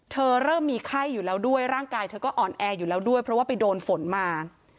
เริ่มมีไข้อยู่แล้วด้วยร่างกายเธอก็อ่อนแออยู่แล้วด้วยเพราะว่าไปโดนฝนมา